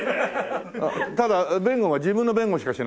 ただ弁護は自分の弁護しかしないけど。